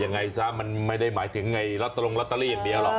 ยังไงซะมันไม่ได้หมายถึงรัตตรงรัตตรี่อย่างนี้หรอก